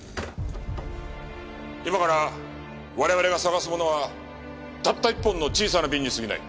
今から我々が探すものはたった一本の小さな瓶にすぎない。